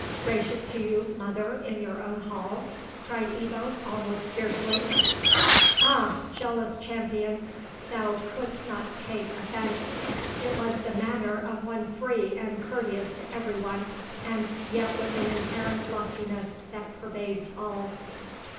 "Gracious to you, mother, in your own hall?" cried Ebbo, almost fiercely. "Ah! jealous champion, thou couldst not take offence! It was the manner of one free and courteous to every one, and yet with an inherent loftiness that pervades all."